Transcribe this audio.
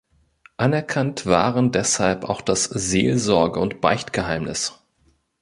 Anerkannt waren deshalb auch das Seelsorge- und Beichtgeheimnis.